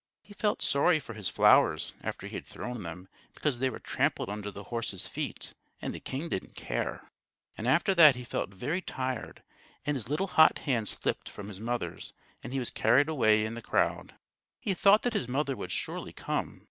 He felt sorry for his flowers after he had thrown them, because they were trampled under the horses' feet and the king didn't care; and after that he felt very tired, and his little hot hand slipped from his mother's and he was carried away in the crowd. He thought that his mother would surely come.